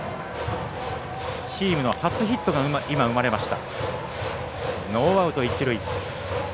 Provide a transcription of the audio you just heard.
チームの初ヒットが今、生まれました。